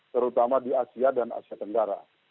terutama di asia dan asia tenggara